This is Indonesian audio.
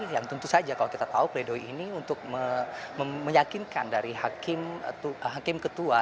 yang tentu saja kalau kita tahu pledoi ini untuk meyakinkan dari hakim ketua